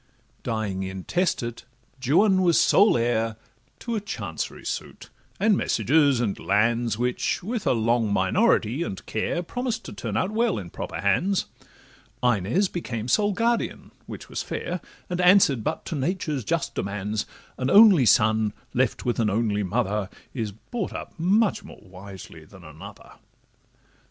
Dying intestate, Juan was sole heir To a chancery suit, and messuages, and lands, Which, with a long minority and care, Promised to turn out well in proper hands: Inez became sole guardian, which was fair, And answer'd but to nature's just demands; An only son left with an only mother Is brought up much more wisely than another.